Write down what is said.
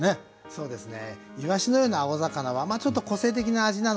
そうですね。